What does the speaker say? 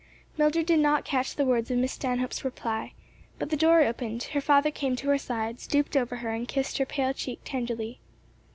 Mildred did not catch the words of Miss Stanhope's reply, but the door opened, her father came to her side, stooped over her and kissed her pale cheek tenderly.